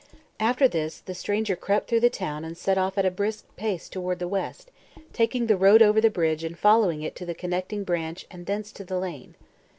After this the stranger crept through the town and set off at a brisk pace toward the west, taking the road over the bridge and following it to the connecting branch and thence to the lane.